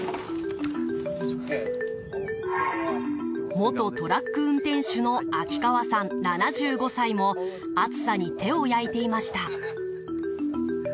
元トラック運転手の秋川さん、７５歳も暑さに手を焼いていました。